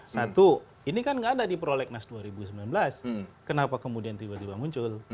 satu ini kan nggak ada di prolegnas dua ribu sembilan belas kenapa kemudian tiba tiba muncul